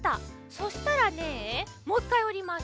そしたらねもう１かいおります。